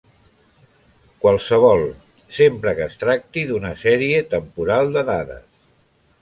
Qualsevol, sempre que es tracti d'una sèrie temporal de dades.